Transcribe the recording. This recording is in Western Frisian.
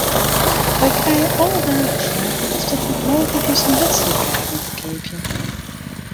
Wy krije alle dagen fragen oft it noch mooglik is om wedstriidkaarten te keapjen.